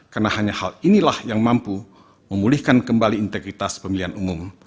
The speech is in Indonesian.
karena hanya hal inilah yang mampu memulihkan kembali integritas pemilihan umum